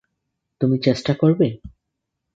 তুমি চেষ্টা করবে?